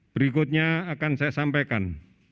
berikutnya akan saya sampaikan